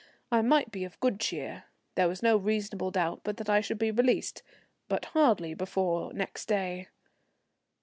I might be of good cheer; there was no reasonable doubt but that I should be released, but hardly before next day.